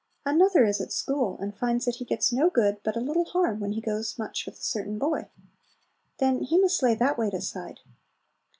Another is at school, and finds that he gets no good, but a little harm, when he goes much with a certain boy. Then he must lay that weight aside.